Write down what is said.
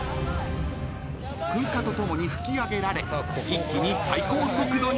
［噴火とともに噴き上げられ一気に最高速度に］